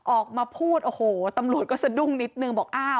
ออกมาพูดตำรวจก็สะดุ้งนิดหนึ่งบอก